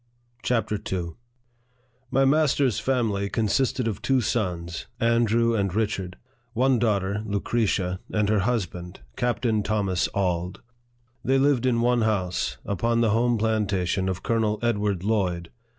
CHAPTER IL MY master's family consisted of two sons, Andrew and Richard ; one daughter, Lucretia, and her husband, Captain Thomas Auld. They lived in one house, upon the home plantation of Colonel Edward Lloyd.